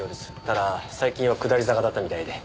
ただ最近は下り坂だったみたいで。